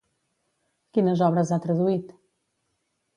Quines obres ha traduït?